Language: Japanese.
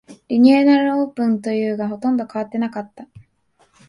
リニューアルオープンというが、ほとんど変わってなかった